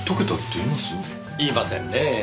言いませんねぇ。